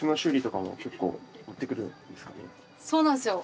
そうなんですよ。